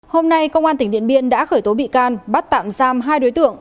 hôm nay công an tỉnh điện biên đã khởi tố bị can bắt tạm giam hai đối tượng